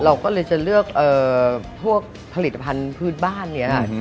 เราก็เลยจะเลือกพวกผลิตภัณฑ์พื้นบ้านเนี่ย